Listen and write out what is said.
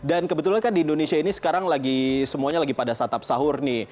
dan kebetulan kan di indonesia ini sekarang lagi semuanya lagi pada satap sahur nih